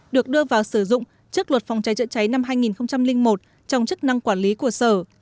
được đưa vào sử dụng trước luật phòng cháy chữa cháy năm hai nghìn một trong chức năng quản lý của sở